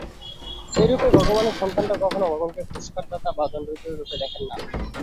এইরূপে ভগবানের সন্তানরাও কখনও ভগবানকে পুরস্কারদাতা বা দণ্ডবিধাতা-রূপে দেখেন না।